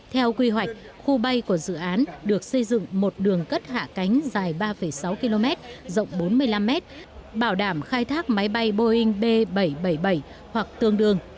theo quy hoạch khu bay của dự án được xây dựng một đường cất hạ cánh dài ba sáu km rộng bốn mươi năm m bảo đảm khai thác máy bay boeing b bảy trăm bảy mươi bảy hoặc tương đương